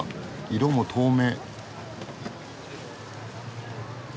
色も透明。